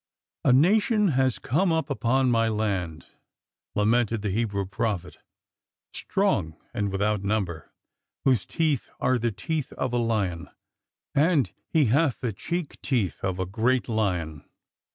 A nation is come up upon my land,'' lamented the Hebrew prophet, strong and without number, whose teeth are the teeth of a lion, and he hath the cheek teeth of a great lion.